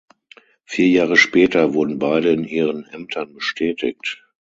Vier Jahre später wurden beide in ihren Ämtern bestätigt.